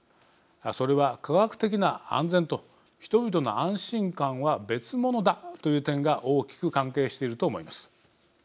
それは、科学的な安全と人々の安心感は別物だという点が大きく関係していると思います。